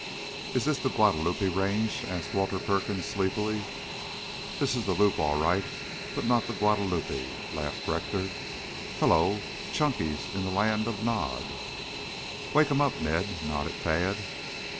"Is this the Guadalupe range?" asked Walter Perkins sleepily. "This is the loop all right, but not the Guadalupe," laughed Rector. "Hullo, Chunky's in the Land of Nod." "Wake him up, Ned," nodded Tad.